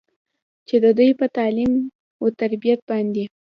چې د دوي پۀ تعليم وتربيت باندې